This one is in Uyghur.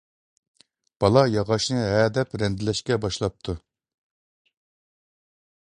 بالا ياغاچنى ھەدەپ رەندىلەشكە باشلاپتۇ.